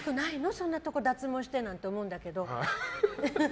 そんなとこ脱毛してなんて思うけど。